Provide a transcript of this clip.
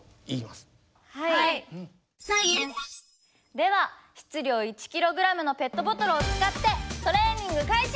では質量１ｋｇのペットボトルを使ってトレーニング開始！